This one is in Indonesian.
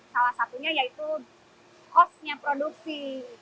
salah satunya yaitu kosnya produksi